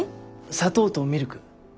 砂糖とミルク。